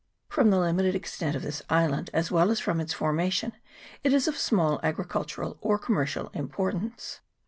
From the limited extent of this island, as well as from its formation, it is of small agricultural or commercial importance.